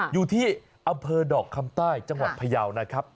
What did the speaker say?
อยู่ที่อำเภอดอกคำใต้จังหวัดพยาวนะครับ